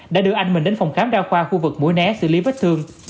đã đưa anh mình đến phòng khám đa khoa khu vực mũi né xử lý vết thương